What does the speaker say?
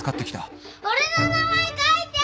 俺の名前書いて！